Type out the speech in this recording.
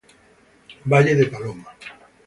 Valle de Paloma